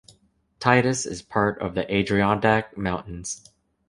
Titus is part of the Adirondack Mountains.